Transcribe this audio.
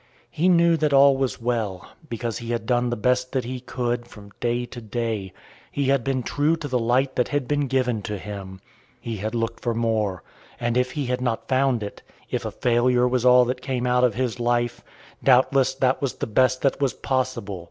He knew that all was well, because he had done the best that he could, from day to day. He had been true to the light that had been given to him. He had looked for more. And if he had not found it, if a failure was all that came out of his life, doubtless that was the best that was possible.